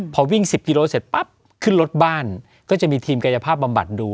พอวิ่ง๑๐กิโลเสร็จปั๊บขึ้นรถบ้านก็จะมีทีมกายภาพบำบัดดู